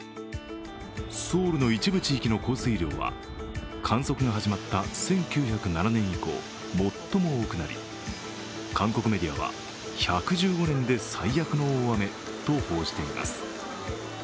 ソウルの一部地域の降水量は観測が始まった１９０７年以降最も多くなり韓国メディアは、１１５年で最悪の大雨と報じています。